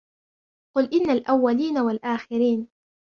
قل إن الأولين والآخرين